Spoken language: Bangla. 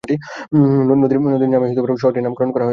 নদীর নামেই শহরটির নামকরণ করা হয়েছে।